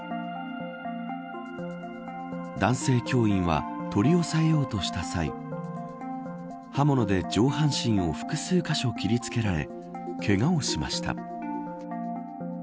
男性教員は取り押さえようとした際刃物で上半身を複数箇所切りつけられけがをしました。